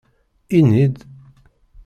lni-d!